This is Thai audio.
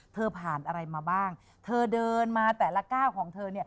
ผ่านอะไรมาบ้างเธอเดินมาแต่ละก้าวของเธอเนี่ย